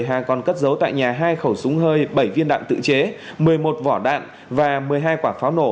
hà còn cất giấu tại nhà hai khẩu súng hơi bảy viên đạn tự chế một mươi một vỏ đạn và một mươi hai quả pháo nổ